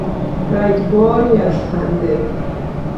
رگباری از خنده